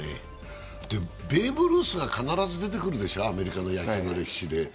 ベーブ・ルースが必ず出てくるでしょう、アメリカの野球の歴史で。